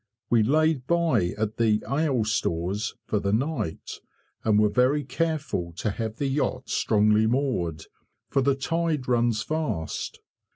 We laid by the "Ale Stores" for the night, and were very careful to have the yacht strongly moored, for the tide runs fast.